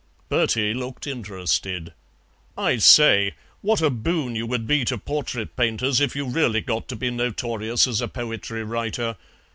Bertie looked interested. "I say, what a boon you would be to portrait painters if you really got to be notorious as a poetry writer.